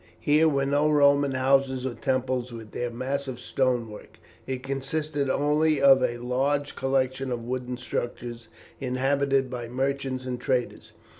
Here were no Roman houses or temples with their massive stone work; it consisted only of a large collection of wooden structures, inhabited by merchants and traders.